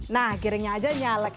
nah kirinya aja nyalek